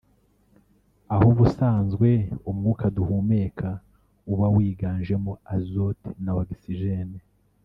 aho ubusanzwe umwuka duhumeka uba wiganjemo azote na oxygene